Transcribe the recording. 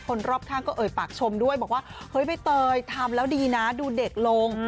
คนรอบข้างก็เอ่ยปากชมด้วยบอกว่าเฮ้ยใบเตยทำแล้วดีนะดูเด็กลง